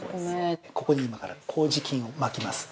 ここに今からこうじ菌をまきます。